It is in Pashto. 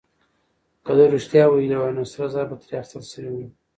که ده رښتيا ويلي وای، نو سره زر به ترې اخيستل شوي وو.